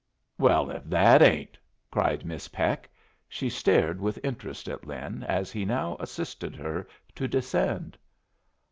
"Well, if that ain't!" cried Miss Peck. She stared with interest at Lin as he now assisted her to descend.